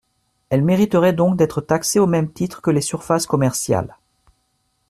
Elles mériteraient donc d’être taxées au même titre que les surfaces commerciales.